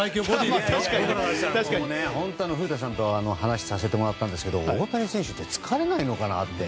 いやいや本当古田さんとも話させてもらったんですけど大谷選手って疲れないのかなって。